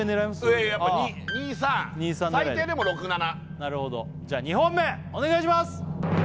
上やっぱ２３最低でも６７なるほどじゃあ２本目お願いします